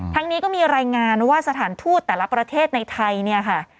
ทางนี้ก็มีรายงานว่าสถานทูตแต่ละประเทศในไทย